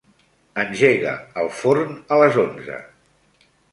Engega el forn a les onze.